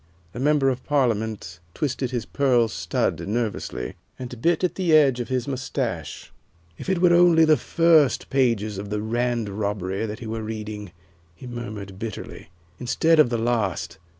The member of Parliament twisted his pearl stud nervously, and bit at the edge of his mustache. "If it only were the first pages of 'The Rand Robbery' that he were reading," he murmured bitterly, "instead of the last!